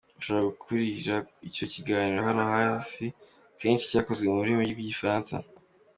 Mushobora gukurikira icyo kiganiro hano hasi akenshi cyakozwe mu rurimi rw’igifaransa: